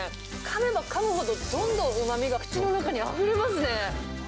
かめばかむほど、どんどんうまみが口の中にあふれますね。